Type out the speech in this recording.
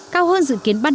cao hơn dự kiến ban